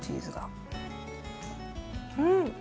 うん！